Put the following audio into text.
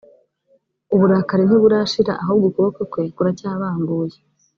uburakari ntiburashira ahubwo ukuboko kwe kuracyabanguye